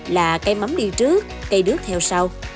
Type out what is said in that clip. là cây mắm đi trước cây đước theo sau